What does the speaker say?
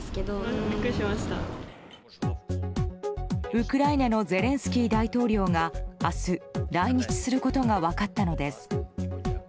ウクライナのゼレンスキー大統領が明日、来日することが分かったのです。